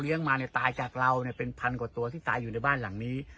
เลี้ยงมาเนี้ยตายจากเราเนี้ยเป็นพันกว่าตัวที่ตายอยู่ในบ้านหลังนี้